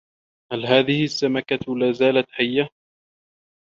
هل هذه السمكة لازالت حيّه ؟